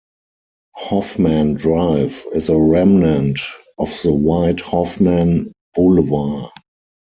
Hoffman Drive is a remnant of the wide Hoffman Boulevard.